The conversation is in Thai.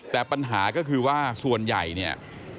แต่ปัญหาก็คือว่าส่วนใหญ่เนี่ย